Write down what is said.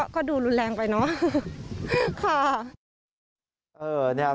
ก็ดูรุนแรงไปเนอะ